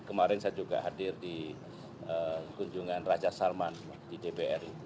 kemarin saya juga hadir di kunjungan raja salman di dpr